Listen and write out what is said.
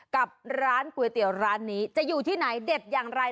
กับร้านก๋วยเตี๋ยวร้านนี้จะอยู่ที่ไหนเด็ดอย่างไร